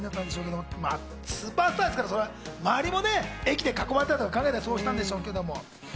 スーパースターですから周りもね、駅で囲まれたらと考えたりしてそうしたんでしょうけど。